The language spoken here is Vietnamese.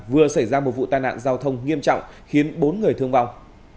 vừa xảy ra một vụ tai nạn giao thông nghiêm trọng khiến bốn người thương vong